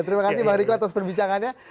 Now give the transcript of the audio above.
terima kasih bang riko atas perbincangannya